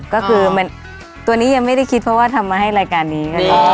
ก็คือตัวนี้ยังไม่ได้คิดเพราะว่าทำมาให้รายการนี้